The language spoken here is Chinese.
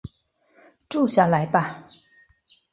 住下来吧